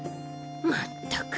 まったく！